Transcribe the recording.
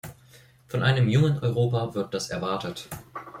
Von einem jungen Europa wird das erwartet.